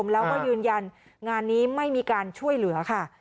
แล้วก็ยืนยันงานนี้ไม่มีการช่วยเหลือค่ะ